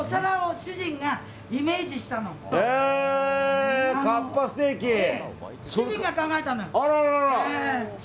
主人が考えたの。